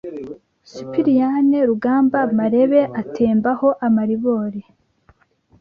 Sipiriyani Rugamba Marebe atembaho amaribori